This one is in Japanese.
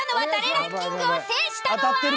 ランキングを制したのは？